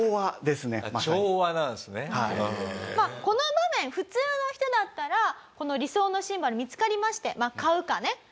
この場面普通の人だったら理想のシンバル見つかりまして買うかね